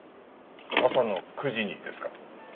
朝の９時にですか？